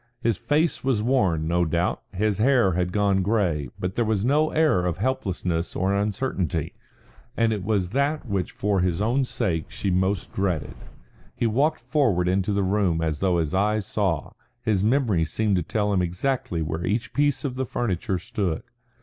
His face was worn, no doubt, his hair had gone grey, but there was no air of helplessness or uncertainty, and it was that which for his own sake she most dreaded. He walked forward into the room as though his eyes saw; his memory seemed to tell him exactly where each piece of the furniture stood.